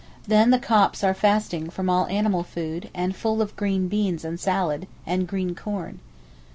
Then the Copts are fasting from all animal food, and full of green beans and salad, and green corn.